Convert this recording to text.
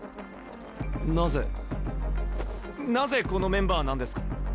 なぜなぜこのメンバーなんですか？